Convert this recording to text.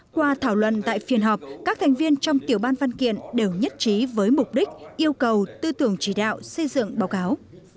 qua thảo luận tại phiên họp các thành viên trong tiểu ban văn kiện đều nhất trí với mục đích yêu cầu tư tưởng chỉ đạo xây dựng báo cáo